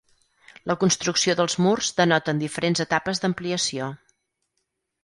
La construcció dels murs denoten diferents etapes d'ampliació.